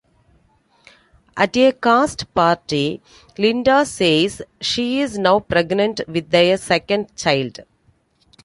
At a cast party, Linda says she is now pregnant with their second child.